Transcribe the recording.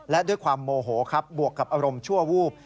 และด้วยความโมโหครับบวกกับอารมณ์ชั่ววูบ